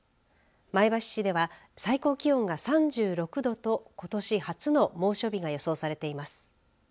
前橋市では最高気温が３６度とことし初の猛暑日が予想されています。